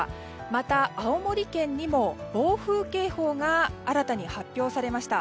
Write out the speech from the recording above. また青森県にも暴風警報が新たに発表されました。